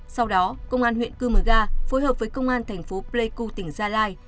sau đó công an huyện cư mờ ga phối hợp với công an tp pleiku tỉnh gia lai